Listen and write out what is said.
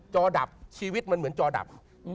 จอดับชีวิตมันเหมือนจอดับ